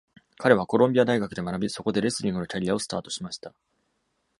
彼はコロンビア大学で学び、そこでレスリングのキャリアをスタートしました。